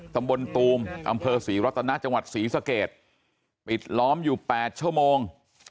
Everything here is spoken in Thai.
ตูมอำเภอศรีรัตนาจังหวัดศรีสเกตปิดล้อมอยู่๘ชั่วโมง